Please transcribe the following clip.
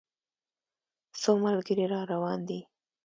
څو ملګري را روان دي.